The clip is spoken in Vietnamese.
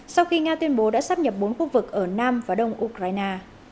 sau khi nga tuyên bố đã sắp nhập bốn khu vực ở nam và đông ukraine